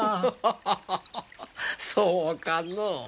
ハハハハそうかのう。